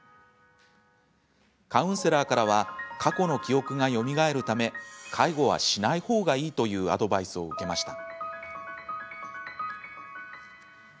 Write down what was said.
カウンセラーからは過去の記憶がよみがえるため介護はしない方がいいというアドバイスを受けました。